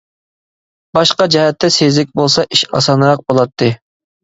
باشقا جەھەتتە سېزىك بولسا ئىش ئاسانراق بولاتتى.